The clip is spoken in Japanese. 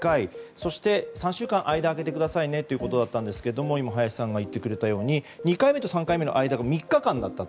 そして、３週間間を空けてくださいねということだったんですが今、林さんが言ってくれたように２回目と３回目の間が３日間だったと。